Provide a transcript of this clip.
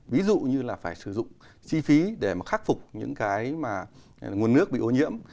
ví dụ như là phải sử dụng chi phí để mà khắc phục những cái mà nguồn nước bị ô nhiễm